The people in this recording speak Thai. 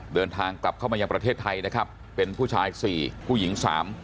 เดินทางกลับเข้ามายังประเทศไทยนะครับเป็นผู้ชาย๔ผู้หญิง๓